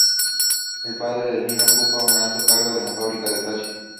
El padre del niño ocupa un alto cargo en una fábrica de plástico.